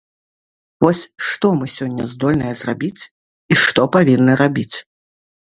Вось што мы сёння здольныя зрабіць і што павінны рабіць?